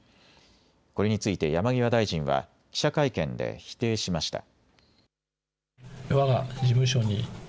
これについて山際大臣は記者会見で否定しました。